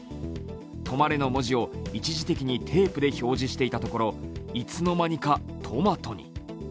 「トマレ」の文字を一時的にテープで表示していたところいつの間にか「トマト」に。